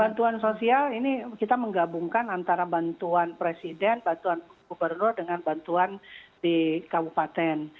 bantuan sosial ini kita menggabungkan antara bantuan presiden bantuan gubernur dengan bantuan di kabupaten